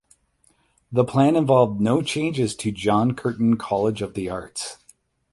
The plan involved no changes to John Curtin College of the Arts.